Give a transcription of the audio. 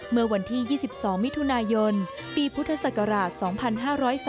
เมื่อวันที่๒๒มิถุนายนปีพุทธศักราช๒๕๓